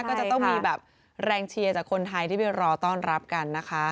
ก็จะต้องมีแบบแรงเชียร์จากคนไทยที่ไปรอต้อนรับกันนะคะ